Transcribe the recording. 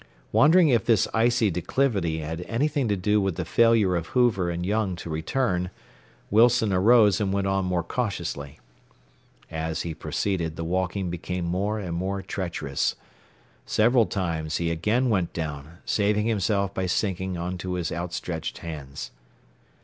Wondering if this icy declivity had anything to do with the failure of Hoover and Young to return, Wilson arose and went on more cautiously. As he proceeded the walking became more and more treacherous. Several times he again went down, saving himself by sinking onto his outstretched hands.